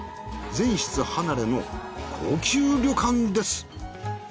全室離れの高級旅館です。